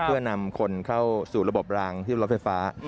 เพื่อนำคนเข้าสู่ระบบรางที่รถไฟฟ้า